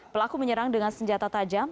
pelaku menyerang dengan senjata tajam